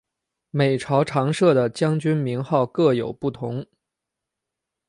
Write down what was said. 每朝常设的将军名号各不相同。